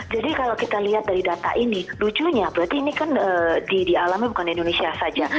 jadi kalau kita lihat dari data ini lucunya berarti ini kan dialami bukan di indonesia saja